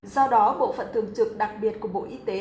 do đó bộ phận thường trực đặc biệt của bộ y tế